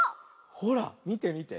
ほらみてみて。